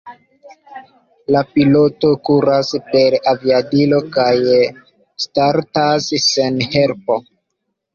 La piloto kuras per aviadilo kaj startas sen helpo.